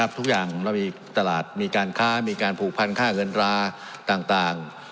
ทุกอย่างเรามีตลาดมีการค้ามีการผูกพันค่าเงินราต่าง